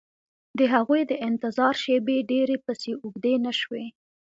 د هغوی د انتظار شېبې ډېرې پسې اوږدې نه شوې